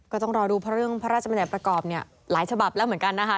ก็ต้องรอดูเพราะเรื่องพระราชบัญญัติประกอบเนี่ยหลายฉบับแล้วเหมือนกันนะคะ